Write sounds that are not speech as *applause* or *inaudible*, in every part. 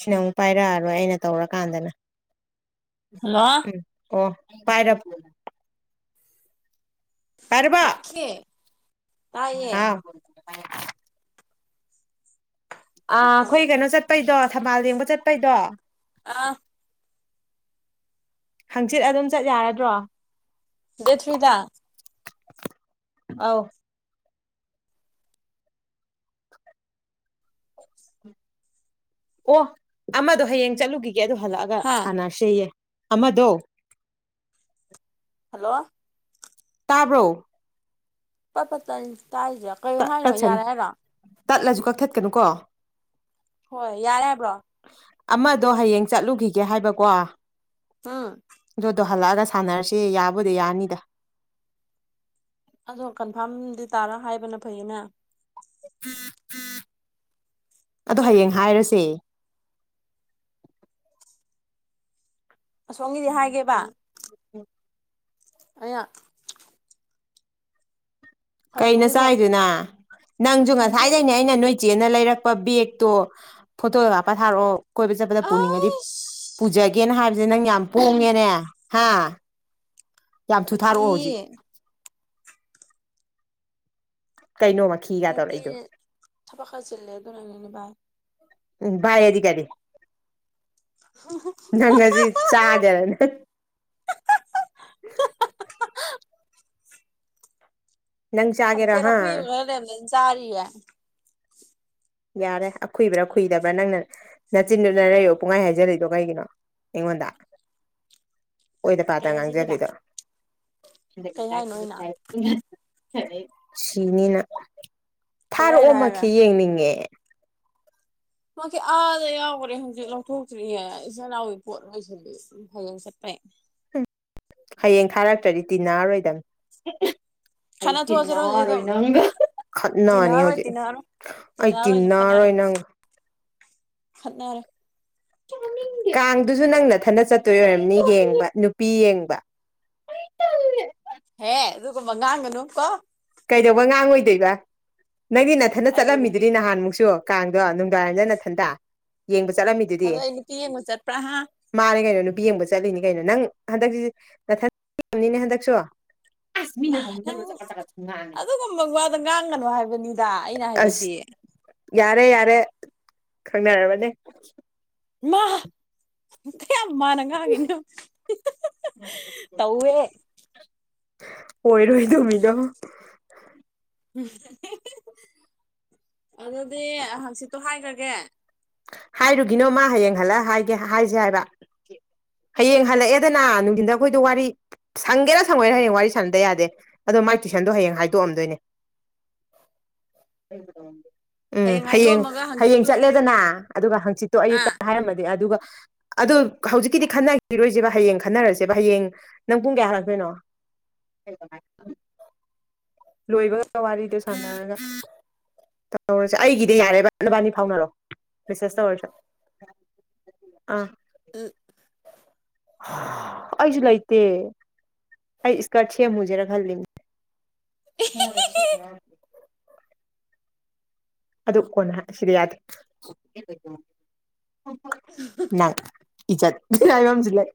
ꯁꯤꯅ ꯑꯃꯨꯛ ꯄꯥꯏꯔꯛꯑꯔꯣꯏ ꯑꯩꯅ ꯇꯧꯔꯀꯥꯟꯗꯅ ꯍꯜꯂꯣ ꯎꯝ ꯑꯣ ꯄꯥꯏꯔꯞ ꯃꯛꯈꯦ ꯉꯔꯥꯡ ꯑ ꯑꯩꯈꯣꯏ ꯀꯩꯅꯣ ꯆꯠꯄꯩꯗꯣ ꯊꯝꯕꯥꯜ ꯌꯦꯡꯕ ꯆꯠꯄꯩꯗꯣ ꯑꯥ ꯍꯪꯆꯤꯠ ꯑꯗꯨꯝ ꯆꯠ ꯌꯥꯔꯗ꯭ꯔꯣ ꯗꯦꯗ ꯊ꯭ꯔꯤꯗ ꯑꯧ ꯑꯣ ꯑꯃꯗꯣ ꯍꯌꯦꯡ ꯆꯠꯂꯨꯈꯤꯒꯦ ꯑꯗꯨ ꯍꯜꯂꯛꯑꯒ ꯍꯥ ꯁꯥꯟꯅꯔꯁꯦꯌꯦ ꯑꯃꯗꯣ ꯍꯜꯂꯣ ꯇꯥꯔꯕꯣ ꯄꯠ ꯄꯠ ꯇꯟ ꯇꯥꯔꯤꯁꯦ ꯀꯩ ꯇꯠ ꯍꯥꯏꯅꯣ ꯇꯠꯁꯅꯨ ꯌꯥꯔꯦ ꯍꯥꯏꯔꯣ ꯇꯠꯂꯁꯨ ꯀꯛꯊꯠꯀꯅꯨꯀꯣ ꯍꯣꯏ ꯌꯥꯔꯦ ꯍꯥꯏꯕ꯭ꯔꯣ ꯑꯃꯗꯣ ꯍꯌꯦꯡ ꯆꯠꯂꯨꯈꯤꯒꯦ ꯍꯥꯏꯕꯀꯣ ꯎꯝ ꯑꯗꯨꯗꯣ ꯍꯜꯂꯛꯑꯒ ꯁꯥꯟꯅꯔꯁꯤ ꯌꯥꯕꯨꯗꯤ ꯌꯥꯅꯤꯗ ꯑꯗꯣ ꯀꯟꯐꯥꯔꯝꯗꯤ ꯇꯥꯔ ꯍꯥꯏꯕꯅ ꯐꯩꯌꯦꯅ *inaudible* ꯑꯗꯨ ꯍꯌꯦꯡ ꯍꯥꯏꯔꯁꯦ ꯑꯁꯣꯝꯒꯤꯗꯤ ꯍꯥꯏꯒꯦꯕ ꯑꯩꯅ ꯀꯩꯅꯣ ꯀꯩꯅꯣꯒꯤꯗꯣ ꯆꯥꯏꯗꯨꯅ ꯅꯪꯁꯨ ꯊꯝꯆꯦꯠꯅꯤ ꯉꯁꯥꯏꯗꯩꯅꯦ ꯑꯩꯅ ꯅꯣꯏ ꯆꯦꯅ ꯂꯩꯔꯛꯄ ꯕꯦꯒꯇꯣ ꯐꯣꯇꯣ ꯀꯞꯄ ꯊꯥꯔꯛꯑꯣ ꯀꯣꯏꯕ ꯆꯠꯄꯗ ꯄꯨꯅꯤꯡꯉꯗꯤ ꯑꯁ ꯄꯨꯖꯒꯦꯅ ꯍꯥꯏꯕꯁꯦ ꯅꯪ ꯌꯥꯝ ꯄꯣꯡꯉꯦꯅꯦ ꯍꯥ ꯌꯥꯝ ꯊꯨ ꯃꯈꯤ ꯊꯥꯔꯛꯑꯣ ꯍꯧꯖꯤꯛ ꯀꯩꯅꯣ ꯃꯈꯤꯒ ꯅꯠꯇꯦ ꯇꯧꯔꯛꯏꯗꯣ ꯊꯄ ꯈꯔꯥ ꯆꯤꯜꯂꯦ ꯑꯗꯨꯅꯅꯦ ꯚꯥꯏ ꯎꯝ ꯚꯥꯏꯗꯤ ꯀꯔꯤ ꯅꯪ ꯉꯁꯤ ꯆꯥꯒꯦꯔ ꯅꯪ *inaudible* *inaudible* ꯅꯪ ꯆꯥꯒꯦꯔꯥ ꯊꯝꯖꯦꯠ ꯍꯥ ꯑꯀꯨꯏ ꯈꯔ ꯂꯩꯝꯗꯅ ꯆꯥꯔꯤꯌꯦ ꯌꯥꯔꯦ ꯑꯈꯨꯏꯕ꯭ꯔꯥ ꯀꯨꯏꯗꯕ꯭ꯔꯥ ꯅꯪꯅ ꯅꯆꯤꯟꯗꯨꯅ ꯅꯌꯩꯔꯣ ꯄꯨꯡꯍꯥꯏ ꯍꯥꯏꯖꯤꯜꯂꯤꯗꯣ ꯀꯩꯒꯤꯅꯣ ꯑꯩꯉꯣꯟꯗ ꯑꯣꯏꯗ ꯄꯥꯗ ꯀꯩ ꯍꯥꯏꯖꯤꯜꯂꯤꯕ ꯉꯥꯡꯖꯜꯂꯤꯗꯣ ꯀꯩ ꯍꯥꯏꯅꯣ ꯑꯩꯅ ꯁꯤꯅꯤꯅ ꯀꯩ ꯍꯥꯏꯅꯣ ꯍꯥꯏꯔꯒ ꯊꯥꯔꯛꯑꯣꯃꯛꯈꯤ ꯌꯦꯡꯅꯤꯡꯉꯦ ꯃꯛꯀꯤ ꯑꯥꯗ ꯌꯥꯎꯒ꯭ꯔꯦ ꯍꯧꯖꯤꯛ ꯂꯧꯊꯣꯛꯇ꯭ꯔꯤꯌꯦ ꯏꯆꯦꯅꯥꯎꯒꯤ ꯄꯣꯠ ꯂꯣꯏꯁꯤꯜꯌꯦ ꯍꯌꯦꯡ ꯆꯠꯄꯩ *unintelligible* ꯍꯌꯦꯡ ꯊꯥꯔꯛꯇ꯭ꯔꯗꯤ ꯇꯤꯟꯅꯔꯣꯏꯗꯝ ꯑꯩ ꯈꯠꯅ ꯊꯣꯛꯑꯁꯤꯔꯣ ꯍꯧꯖꯤꯛ ꯇꯤꯅꯔꯣꯏ ꯑꯗꯨꯝ ꯅꯪꯒ ꯈꯠꯅꯅꯤ ꯇꯤꯟꯅꯔꯣꯏ ꯍꯧꯖꯤꯛ ꯇꯤꯟꯅꯔꯣꯏ ꯑꯩ ꯇꯤꯟꯅꯔꯣꯏꯁꯦ ꯈꯠꯅꯔꯦ ꯇꯤꯟꯅꯔꯣꯏ ꯅꯪꯒ ꯈꯠꯅꯔꯦ ꯀꯥꯡꯗꯨꯖꯨ ꯅꯪ ꯅꯊꯟꯗ ꯆꯠꯇꯣꯏ ꯑꯣꯏꯔꯝꯅꯤ ꯌꯦꯡꯕ ꯅꯨꯄꯤ ꯌꯦꯡꯕ ꯑꯩ ꯇꯜꯂꯦ ꯍꯦ ꯑꯗꯨꯒꯨꯝꯕ ꯉꯥꯡꯒꯅꯨꯀꯣ ꯀꯩꯗꯧꯕꯩ ꯉꯥꯡꯉꯣꯏꯗꯣꯏꯕ ꯅꯪꯗꯤ ꯅꯊꯟꯗ ꯑꯩꯕꯨ ꯅꯨꯄꯤ ꯆꯠꯂꯝꯃꯤꯗꯨꯗꯤ ꯅꯍꯥꯟꯃꯨꯛꯁꯨ ꯀꯥꯡ ꯗꯣ ꯅꯨꯡꯗꯥꯡꯋꯥꯏꯔꯝꯗ ꯅꯊꯟꯗ ꯌꯦꯡꯕ ꯆꯠꯂꯝꯃꯤꯗꯨꯗꯤ ꯑꯗꯣ ꯑꯩ ꯅꯨꯄꯤ ꯌꯦꯡꯕ ꯆꯠꯄ꯭ꯔꯥ ꯍꯥ ꯃꯥꯅꯦ ꯀꯩꯅꯣ ꯅꯨꯄꯤ ꯌꯦꯡꯕ ꯆꯠꯂꯤꯅꯤ ꯀꯩꯅꯣ ꯅꯪ ꯍꯟꯗꯛ ꯁꯤꯅꯊꯟ ꯆꯠꯅꯤꯡꯉꯝꯅꯤꯅꯦ ꯍꯟꯗꯛꯁꯨ ꯑꯁ ꯃꯤꯅ ꯅꯪ ꯍꯧꯅꯤꯡꯗꯕꯗꯣ ꯆꯀꯠ ꯆꯀꯠ ꯑꯗꯨꯒꯨꯝꯕ ꯋꯥꯗꯣ ꯉꯥꯡꯒꯅꯨ ꯍꯥꯏꯕꯅꯤꯗ ꯑꯩꯅ ꯑꯁ ꯍꯥꯏꯕꯗꯤ ꯌꯥꯔꯦ ꯌꯥꯔꯦ ꯈꯪꯅꯔꯕꯅꯦ ꯃꯥ ꯀꯌꯝ ꯃꯥꯟꯅ ꯉꯥꯡꯉꯤꯅꯣ ꯌꯦꯡꯉꯣ ꯇꯧꯋꯦ ꯑꯣꯏꯔꯣꯏ ꯗꯕꯤꯗꯣ ꯍꯥꯍꯥ ꯑꯗꯨꯗꯤ ꯍꯪꯆꯤꯠꯇꯣ ꯍꯥꯏꯒ꯭ꯔꯒꯦ ꯍꯥꯏꯔꯨꯒꯤꯅꯣ ꯃꯥ ꯍꯌꯦꯡ ꯍꯜꯂꯛꯑ ꯍꯥꯏꯒꯦ ꯍꯥꯏꯖꯦ ꯍꯥꯏꯕ ꯍꯌꯦꯡ ꯍꯜꯂꯛꯑꯦꯗꯅ ꯅꯨꯡꯗꯤꯟꯗ ꯑꯈꯣꯏꯗꯣ ꯋꯥꯔꯤ ꯁꯪꯒꯦꯔ ꯁꯪꯉꯣꯏꯔ ꯍꯌꯦꯡ ꯋꯥꯔꯤ ꯁꯥꯟꯅꯗ ꯌꯥꯗꯦ ꯑꯗꯣ ꯃ ꯃꯥꯏ ꯇꯨꯏꯁꯟꯗꯣ ꯍꯌꯦꯡ ꯍꯥꯏꯗꯣꯛꯑꯝꯗꯣꯏꯅꯦ ꯎꯝ ꯍꯌꯦꯡ ꯍꯥꯏꯗꯣꯛꯑꯝꯃꯒ ꯍꯌꯦꯡ ꯍꯪꯆꯤꯠꯇꯨ ꯆꯠꯂꯦꯗꯅ ꯑꯗꯨꯒ ꯍꯪꯆꯤꯠꯇꯣ ꯑꯌꯨꯛꯇ ꯑꯥ ꯍꯥꯏꯔꯝꯃꯗꯤ ꯑꯗꯨꯒ ꯑꯗꯨ ꯍꯧꯖꯤꯛꯀꯤꯗꯤ ꯈꯟꯅꯒꯤꯔꯣꯏꯖꯦꯕ ꯍꯌꯦꯡ ꯈꯟꯅꯔꯁꯦꯕ ꯍꯌꯦꯡ ꯅꯪ ꯄꯨꯡ ꯀꯌꯥ ꯍꯥꯜꯂꯛꯇꯣꯏꯅꯣ *unintelligible* ꯂꯣꯏꯕꯒ ꯋꯥꯔꯤꯗꯣ ꯁꯅꯔꯒ ꯇꯧꯔꯖꯦ ꯑꯩꯒꯤꯗꯤ ꯌꯥꯔꯦꯕ ꯅꯕꯅꯤ ꯐꯥꯎꯅꯔꯣ ꯔꯤꯁꯥꯁ ꯇꯧꯔꯖꯤꯔ ꯑꯥ ꯎꯝ ꯑꯩꯖꯨ ꯂꯩꯇꯦ ꯑꯩ ꯏꯁꯀꯥꯔꯠ ꯁꯦꯝꯃꯨꯖꯦꯔ ꯈꯜꯂꯤꯅꯤ *unintelligible* ꯑꯗꯨ ꯀꯣꯅ ꯁꯤꯗꯌꯥꯗꯦ ꯅꯪ ꯏꯖꯠ ꯍꯥꯏꯕꯝꯖꯨꯂꯩ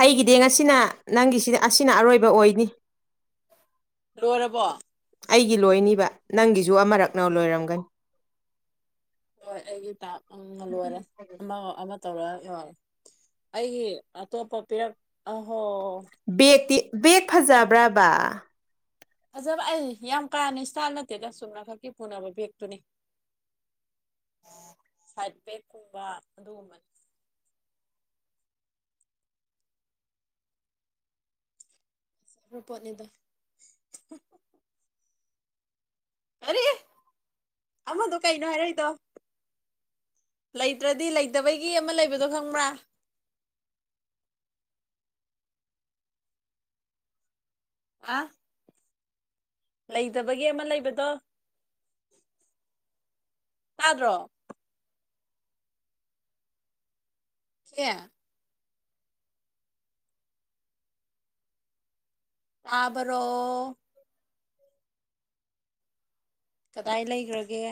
ꯑꯩꯒꯤꯗꯤ ꯉꯁꯤꯅ ꯅꯪꯒꯤꯁꯤ ꯑꯁꯤꯅ ꯑꯔꯣꯏꯕ ꯑꯣꯏꯅꯤ ꯂꯣꯏꯔꯕꯣ ꯑꯩꯒꯤ ꯂꯣꯏꯅꯤꯕ ꯅꯪꯒꯤꯖꯨ ꯑꯃꯔꯛꯅ ꯂꯣꯏꯔꯝꯒꯅꯤ ꯍꯣꯏ ꯑꯩꯒꯤ ꯇꯥꯛ ꯎꯝ ꯂꯣꯏꯔꯦ ꯑꯃ ꯑꯃ ꯇꯧꯔꯛꯑꯅꯣ ꯑꯩꯒꯤ ꯑꯇꯣꯞꯄ ꯄꯤꯔꯛ ꯑꯍꯣ ꯕꯦꯛꯇꯤ ꯕꯦꯛ ꯐꯖꯕ꯭ꯔꯕ ꯐꯖꯕ ꯑꯩ ꯌꯥꯝ ꯀꯥꯟ ꯏꯁꯇꯏꯜ ꯅꯠꯇꯦꯗ ꯆꯨꯝꯅꯈꯛꯀꯤ ꯄꯨꯅꯕ ꯕꯦꯛꯇꯨꯅꯤ ꯁꯥꯏꯠ ꯕꯦꯛꯀꯨꯝꯕ ꯑꯗꯨꯒꯨꯝꯕꯅꯤ ꯔꯣꯄꯣꯠꯅꯤꯗ ꯑꯔꯤ ꯑꯃꯗꯣ ꯀꯩꯅꯣ ꯍꯥꯏꯔꯛꯏꯗꯣ ꯂꯩꯇ꯭ꯔꯗꯤ ꯂꯩꯇꯕꯒꯤ ꯑꯃ ꯂꯩꯕꯗꯣ ꯈꯪꯕ꯭ꯔ ꯑꯥ ꯂꯩꯇꯕꯒꯤ ꯑꯃ ꯂꯩꯕꯗꯣ ꯇꯥꯗ꯭ꯔꯣ ꯀꯦ ꯇꯥꯕꯔꯣ ꯀꯗꯥꯏ ꯂꯩꯒ꯭ꯔꯒꯦ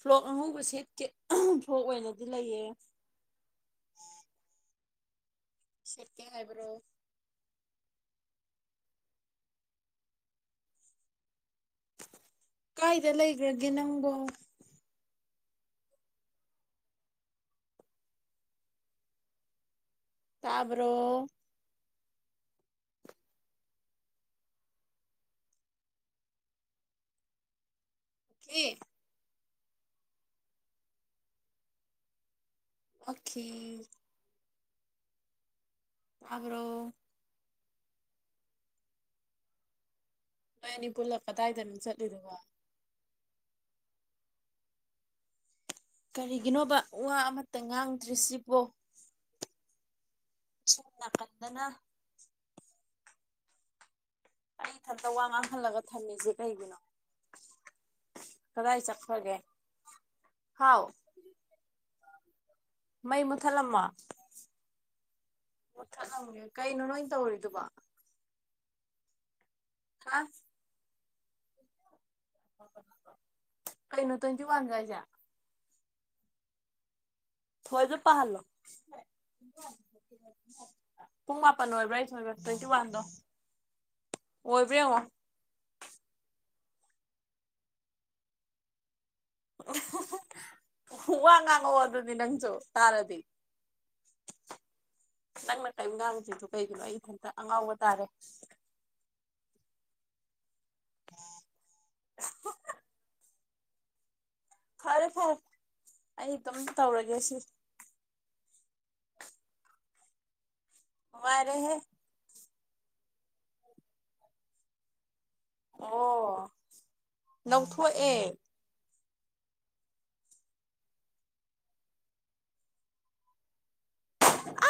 ꯐ꯭ꯂꯣꯛ ꯑꯉꯧꯕ ꯁꯦꯠꯇꯦ ꯐ꯭ꯂꯣꯛ ꯑꯣꯏꯅꯗꯤ ꯂꯩꯌꯦ ꯁꯠꯀꯦ ꯍꯥꯏꯕ꯭ꯔꯣ ꯀꯥꯏꯗ ꯂꯩꯒ꯭ꯔꯒꯦ ꯅꯪꯕꯣ ꯇꯥꯕ꯭ꯔꯣ ꯑꯦ ꯑꯣꯈꯦ ꯇꯥꯕꯔꯣ ꯅꯣꯏ ꯑꯅꯤ ꯄꯨꯜꯂ ꯀꯇꯥꯏꯗꯅ ꯆꯠꯂꯤꯗꯨꯕꯨ ꯀꯔꯤꯒꯤꯅꯣꯕ ꯋꯥ ꯑꯃꯇ ꯉꯥꯡꯗ꯭ꯔꯤꯁꯤꯕꯣ ꯁꯣꯝ ꯅꯥꯀꯟꯗꯅ ꯑꯩ ꯏꯊꯟꯇ ꯋꯥ ꯉꯥꯡꯍꯜꯂꯒ ꯊꯝꯃꯤꯁꯦ ꯀꯩꯒꯤꯅꯣ ꯀꯗꯥꯥꯏ ꯆꯠꯈ꯭ꯔꯒꯦ ꯍꯥꯎ ꯃꯩ ꯃꯨꯊꯠꯂꯝꯃꯣ ꯃꯨꯊꯠꯂꯝꯒꯦ ꯀꯩꯅꯣ ꯅꯣꯏ ꯇꯧꯔꯤꯗꯨꯕꯣ ꯍꯥ ꯀꯩꯅꯣ ꯇ꯭ꯋꯦꯟꯇꯤ ꯋꯥꯟ ꯀ ꯍꯥꯏꯁꯦ ꯐꯣꯟꯗ ꯄꯥꯍꯜꯂꯣ ꯄꯨꯡ ꯃꯥꯄꯟ ꯑꯣꯏꯕ꯭ꯔꯥ ꯁꯨꯕ꯭ꯔꯥ ꯇ꯭ꯋꯦꯟꯇꯤ ꯋꯥꯟꯗꯣ ꯑꯣꯏꯕ꯭ꯔ ꯌꯦꯡꯉꯣ *inaudible* ꯋꯥ ꯉꯥꯡꯉꯛꯑꯣ ꯑꯗꯨꯗꯤ ꯅꯪꯖꯨ ꯇꯥꯔꯗꯤ ꯅꯪꯅ ꯀꯦꯝ ꯉꯥꯡꯗ꯭ꯔꯤꯗꯣ ꯀꯩꯒꯤꯅꯣ ꯑꯩ ꯏꯊꯟꯇ ꯑꯉꯥꯎꯕ ꯇꯥꯔꯦ *inaudible* *unintelligible* ꯐꯔꯦ ꯐꯔꯦ ꯑꯩ ꯑꯗꯨꯝ ꯇꯧꯔꯒꯦ ꯁꯤ *inaudible* ꯅꯨꯡꯉꯥꯏꯔꯦꯍꯦ ꯑꯣ ꯂꯧꯊꯣꯛꯑꯦ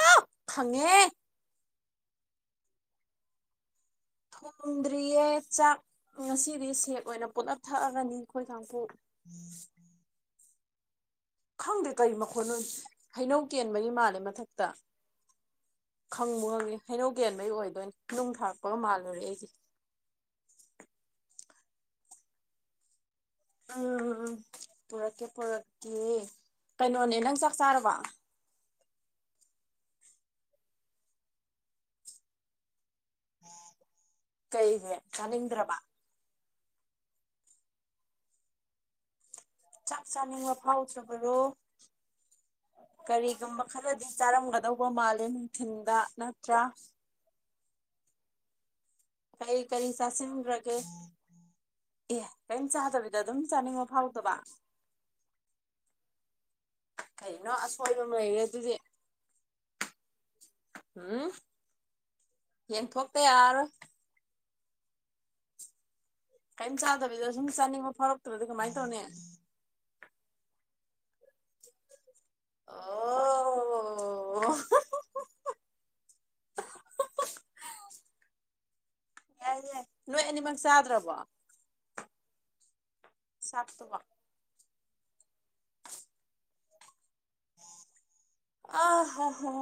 ꯑꯥꯎ ꯈꯪꯉꯦꯍꯦ ꯊꯣꯡꯗ꯭ꯔꯤꯌꯦ ꯆꯥꯛ ꯉꯁꯤꯗꯤ ꯁꯦꯛ ꯑꯣꯏꯅ ꯄꯨꯂꯞ ꯊꯛꯑꯒꯅꯤ ꯑꯩꯈꯣꯏ ꯀꯥꯡꯄꯨ *inaudible* *inaudible* ꯈꯪꯗꯦ ꯀꯔꯤ ꯃꯈꯣꯟꯅꯣ ꯍꯩꯅꯧ ꯀꯦꯟꯕꯒꯤ ꯃꯥꯜꯂꯦ ꯃꯊꯛꯇ ꯈꯪꯕꯨ ꯈꯪꯉꯦ ꯍꯩꯅꯧ ꯀꯦꯟꯕꯩ ꯑꯣꯏꯗꯣꯏꯅꯤ ꯅꯨꯡ ꯊꯥꯔꯛꯄꯒ ꯃꯥꯜꯂꯨꯔꯦ ꯑꯩꯗꯤ *inaudible* ꯎꯝ ꯎꯝ ꯎꯝ ꯄꯨꯔꯛꯀꯦ ꯄꯨꯔꯛꯀꯦ ꯀꯩꯅꯣꯅꯦ ꯅꯪ ꯆꯥꯛ ꯆꯥꯔꯕ ꯀꯩꯒꯤ ꯆꯥꯅꯤꯡꯗ꯭ꯔꯕ ꯆꯥꯛ ꯆꯥꯅꯤꯡꯕ ꯐꯥꯎꯗ꯭ꯔꯕꯔꯣ ꯀꯔꯤꯒꯨꯝꯕ ꯈꯔꯗꯤ ꯆꯥꯔꯝꯒꯗꯧꯕ ꯃꯥꯜꯂꯦ ꯅꯨꯡꯊꯤꯟꯗ ꯅꯠꯇ꯭ꯔꯥ *inaudible* ꯀꯔꯤ ꯀꯔꯤ ꯆꯥꯁꯤꯟꯈ꯭ꯔꯒꯦ ꯑꯦ ꯀꯔꯤꯝ ꯆꯥꯗꯕꯤꯗ ꯑꯗꯨꯝ ꯆꯥꯅꯤꯡꯕ ꯐꯥꯎꯗꯕ ꯀꯩꯅꯣ ꯑꯁꯣꯏꯕꯝ ꯂꯩꯩꯔꯦ ꯑꯗꯨꯗꯤ ꯎꯝ ꯌꯦꯡ ꯊꯣꯛꯇ ꯌꯥꯔꯔꯣꯢ ꯀꯤꯝ ꯆꯥꯗꯕꯤꯗ ꯁꯨꯝ ꯆꯥꯅꯤꯡꯕ ꯐꯥꯎꯔꯛꯇ꯭ꯔꯗꯤ ꯀꯃꯥꯏꯅ ꯇꯧꯅꯤ ꯑꯣ *inaudible* ꯌꯥꯏ ꯌꯥꯏ ꯅꯣꯏ ꯑꯅꯤꯃꯛ ꯆꯥꯗ꯭ꯔꯕꯣ ꯆꯥꯛꯇꯨꯕꯣ ꯑꯥ ꯍꯣ ꯍꯣ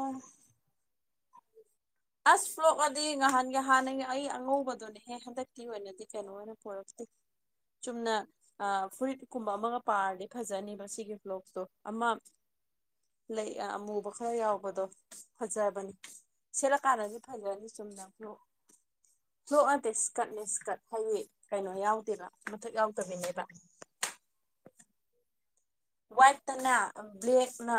ꯑꯁ ꯐ꯭ꯂꯣꯛꯑꯗꯤ ꯉꯍꯥꯟꯒꯤ ꯍꯥꯟꯅꯒꯤ ꯑꯩ ꯑꯉꯧꯕꯗꯨꯅꯦꯍꯦ ꯍꯟꯗꯛꯀꯤ ꯑꯣꯏꯅꯗꯤ ꯀꯩꯅꯣ ꯑꯣꯏꯅ ꯄꯨꯔꯛ *inaudible* ꯆꯨꯝꯅ ꯐꯨꯔꯤꯠ ꯀꯨꯝꯕ ꯑꯃꯒ ꯄꯥꯔꯗꯤ ꯐꯖꯅꯤꯕ ꯁꯤꯒꯤ ꯕ꯭ꯂꯣꯛꯁꯇꯣ ꯑꯃ ꯂꯩ ꯑꯃꯨꯕ ꯈꯔ ꯌꯥꯎꯕꯗꯣ ꯐꯖꯕꯅꯤ ꯁꯦꯂꯛ ꯀꯥꯟꯅꯗꯤ ꯐꯖꯅꯤ ꯆꯨꯝꯅ ꯐ꯭ꯂꯣꯛ ꯐ꯭ꯂꯣꯛ ꯅꯠꯇꯦ ꯁ꯭ꯀꯠꯅꯦ ꯁ꯭ꯀꯠ ꯍꯥꯏꯗꯤ ꯀꯩꯅꯣ ꯌꯥꯎꯗꯦꯕ ꯃꯊꯛ ꯌꯥꯎꯗꯕꯤꯅꯦꯕ *inaudible* ꯋꯥꯏꯠꯇꯅꯦ ꯕ꯭ꯂꯦꯛꯅ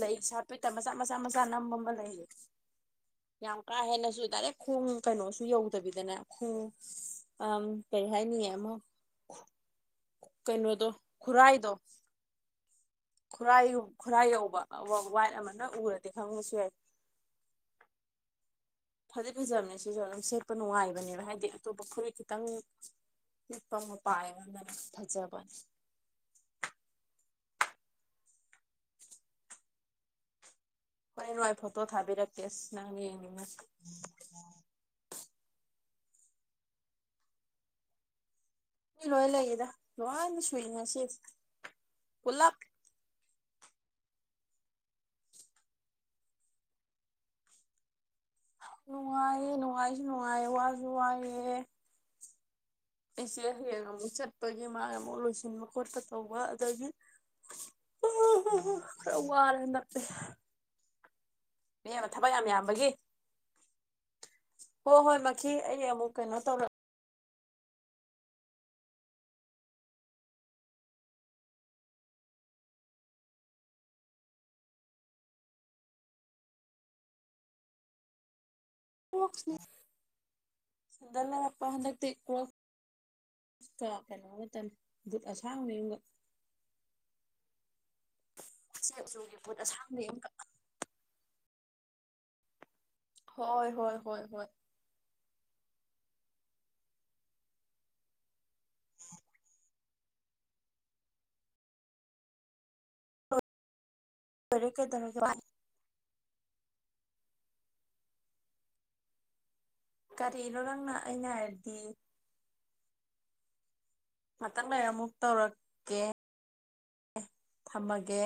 ꯂꯩ ꯁꯥꯄꯤꯇ ꯃꯆꯥ ꯃꯆꯥ ꯃꯆꯥ ꯅꯝꯕ ꯑꯃ ꯂꯩꯌꯦ ꯌꯥꯝ ꯀꯥ ꯍꯦꯟꯅꯁꯨ ꯗꯥꯏꯔꯦꯛ ꯈꯣꯡ ꯀꯩꯅꯣꯁꯨ ꯌꯧꯗꯕꯤꯗꯅꯦ ꯈꯣꯡ ꯑꯝ ꯀꯩꯍꯥꯏꯅꯤ ꯑꯃ *inaudible* ꯀꯩꯅꯣꯗꯣ ꯈꯨꯔꯥꯏꯗꯣ ꯈꯨꯔꯥꯏ ꯈꯨꯔꯥꯏ ꯌꯧꯕ ꯋꯥꯏꯠ ꯑꯃꯅ ꯅꯪ ꯔꯗꯤ ꯈꯪꯕꯁꯨ ꯌꯥꯏ *inaudible* ꯐꯗꯤ ꯐꯖꯕꯅꯦ ꯁꯤꯁꯨ ꯑꯗꯨꯝ ꯁꯦꯠꯄ ꯅꯨꯡꯉꯥꯏꯕꯅꯦꯕ ꯍꯥꯏꯗꯤ ꯑꯇꯣꯞꯄ ꯐꯨꯔꯤꯠ ꯈꯤꯇꯪ ꯂꯤꯠꯄ ꯃꯄꯥ ꯌꯦꯡꯀꯥꯟꯗꯅꯦ ꯐꯖꯕꯅꯦ *inaudible* ꯍꯣꯏ ꯍꯣꯏ ꯐꯣꯇꯣ ꯊꯥꯕꯤꯔꯛꯀꯦꯁ ꯅꯪ ꯌꯦꯡꯅꯤꯡꯉꯗꯤ ꯀ ꯂꯣꯏ ꯂꯩꯌꯦꯗ ꯂꯣꯏꯅ ꯁꯨꯏ ꯉꯁꯤ ꯄꯨꯜꯂꯞ ꯅꯨꯡꯉꯥꯏꯌꯦ ꯅꯨꯡꯉꯥꯏꯁꯨ ꯅꯨꯡꯉꯥꯏꯦ ꯋꯥꯁꯨ ꯋꯥꯏꯌꯦ ꯑꯩꯁꯦ ꯍꯌꯦꯡ ꯑꯃꯨꯛ ꯆꯠꯄꯒꯤ ꯃꯥꯅ ꯑꯃꯨꯛ ꯂꯣꯏꯁꯤꯟꯕ ꯈꯣꯠꯄ ꯇꯧꯕ ꯑꯗꯒꯤ ꯎꯝ ꯈꯔꯥ ꯋꯥꯔꯦ ꯍꯟꯗꯛ ꯇꯤ ꯏꯕꯦꯝꯃ ꯊꯕꯛ ꯌꯥꯝ ꯌꯥꯝꯕꯒꯤ ꯍꯣ ꯍꯣꯏ ꯃꯈꯤ ꯑꯩ ꯑꯃꯨꯛ ꯀꯩꯅꯣ ꯇꯧꯔꯦ ꯀꯣꯛ ꯁꯤꯗ ꯁꯦꯟꯗꯜ ꯂꯩꯔꯛꯄ ꯍꯟꯗꯛꯇꯤ ꯀꯣ *unintelligible* ꯎꯆꯦꯛ ꯆꯣꯡꯒꯤ ꯕꯨꯠ ꯑꯁꯥꯡꯕꯤ ꯑꯃ ꯀꯛ ꯍꯣꯏ ꯍꯣꯏ ꯍꯣꯏ ꯍꯣꯏ *unintelligible* ꯀꯔꯤꯅꯣ ꯅꯪꯅ ꯑꯩꯅ ꯍꯥꯏꯔꯗꯤ ꯉꯥꯇꯪ ꯂꯩꯔ ꯑꯃꯨꯛ ꯇꯧꯔꯛꯀꯦ ꯊꯝꯃꯒꯦ